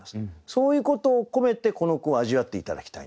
そういうことを込めてこの句を味わって頂きたいなと思いますね。